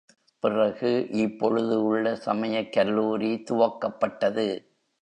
பிறகு இப்பொழுது உள்ள சமயக் கல்லூரி துவக்கப்பட்டது.